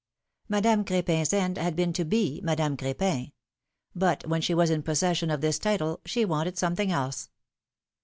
Madame Crepin's end had been to be Madame Cr^pin ; but when she was in possession of this title, she wanted something else.